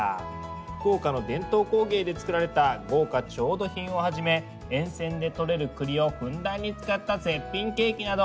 福岡の伝統工芸で作られた豪華調度品をはじめ沿線でとれる栗をふんだんに使った絶品ケーキなど